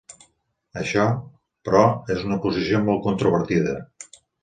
Això, però, és una posició molt controvertida.